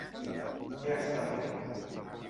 Ja està bé.